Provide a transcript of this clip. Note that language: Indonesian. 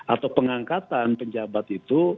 atau pengangkatan penjabat itu